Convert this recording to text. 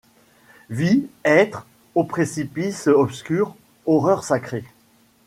Vie ! Être ! ô précipice obscur ! horreurs sacrées